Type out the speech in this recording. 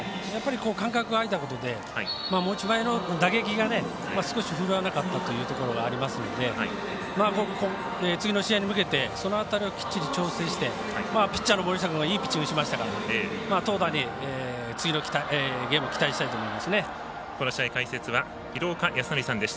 間隔が開いたことで持ち前の打撃が少し、振るわなかったというところはありますので次の試合に向けてその辺りをきっちり調整して、ピッチャーの森下君がいいピッチングしましたから投打に次のゲーム期待したいです。